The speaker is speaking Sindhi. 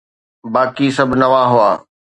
باقي سڀ نوان هئا.